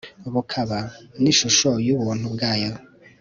bukaba n'ishusho y'ubuntu bwayo